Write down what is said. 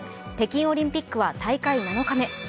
北京オリンピックは大会７日目。